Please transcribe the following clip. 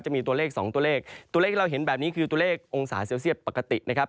จะมีตัวเลขสองตัวเลขตัวเลขที่เราเห็นแบบนี้คือตัวเลของศาเซลเซียตปกตินะครับ